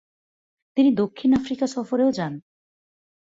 তিনি দক্ষিণ আফ্রিকা সফরেও যান।